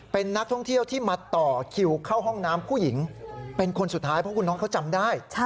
เป็นนักท่องเที่ยวที่มาต่อคิวเข้าห้องน้ำผู้หญิงเป็นคนสุดท้ายเพราะคุณน้องเขาจำได้